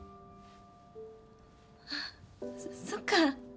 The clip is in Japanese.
ああそっか。